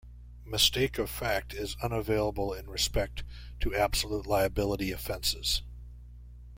Mistake of fact is unavailable in respect to absolute liability offences.